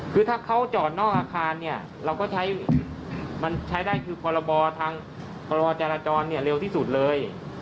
คือถ้าเขาจอดนอกอาคารเนี่ยเราก็ใช้มันใช้ได้คือพรบทางพรบจราจรเร็วที่สุดเลย